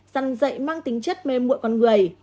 dân dạy mang tính chất mê mụi con người